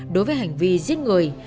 đối với hành vi giết người